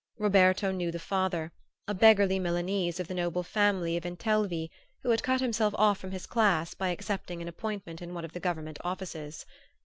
Roberto knew the father, a beggarly Milanese of the noble family of Intelvi, who had cut himself off from his class by accepting an appointment in one of the government offices.